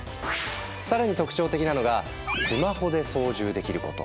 更に特徴的なのがスマホで操縦できること。